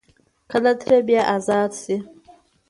کله ترې بيا ازاد شي ـ